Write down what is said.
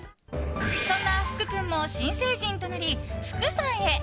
そんな福君も新成人となり福さんへ。